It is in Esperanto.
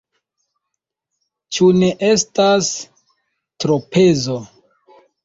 Ĉu ne estas tropezo?